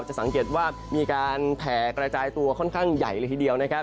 จะสังเกตว่ามีการแผ่กระจายตัวค่อนข้างใหญ่เลยทีเดียวนะครับ